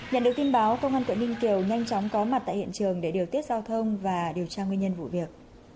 nhận được tin báo công an quận ninh kiều nhanh chóng có mặt tại hiện trường để điều tiết giao thông và điều tra nguyên nhân vụ việc